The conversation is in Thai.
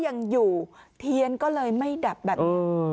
หญิงบอกว่าจะเป็นพี่ปวกหญิงบอกว่าจะเป็นพี่ปวก